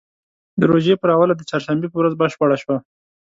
د روژې پر اوله د چهارشنبې په ورځ بشپړه شوه.